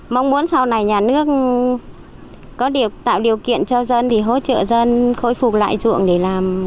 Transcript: mong muốn sau này nhà nước có điều kiện tạo điều kiện cho dân hỗ trợ dân khôi phục lại dụng để làm